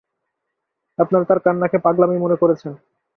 আপনারা তার কান্নাকে পাগলামি মনে করেছেন।